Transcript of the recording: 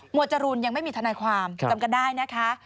หมวดจรูลยังไม่มีธนาความจำกัดได้นะคะ